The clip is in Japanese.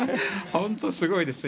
本当にすごいですね。